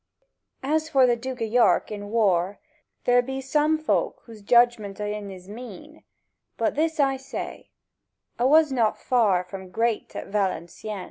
.. As for the Duke o' Yark in war, There be some volk whose judgment o' en is mean; But this I say—a was not far From great at Valencieën.